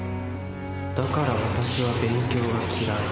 だから私は勉強が嫌い。